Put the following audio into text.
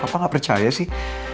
papa gak percaya sih